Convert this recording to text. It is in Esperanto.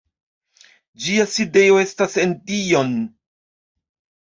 Ĝia sidejo estas en Dijon.